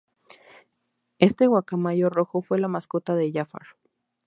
Este guacamayo rojo fue la mascota de Jafar.